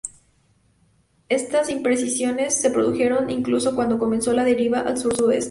Estas imprecisiones se produjeron incluso cuando comenzó la deriva al sur-sudoeste.